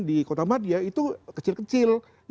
di kota madia itu kecil kecil